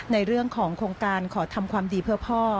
ในเรื่องของโครงการขอทำความดีเพื่อพ่อ